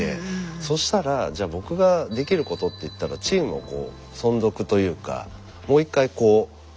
そしたらじゃあ僕ができることっていったらチームの存続というかもう一回こう。